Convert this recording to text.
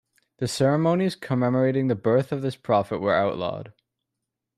The ceremonies commemorating the birth of this prophet were outlawed.